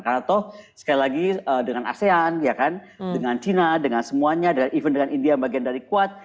karena toh sekali lagi dengan asean ya kan dengan china dengan semuanya even dengan india yang bagian dari quad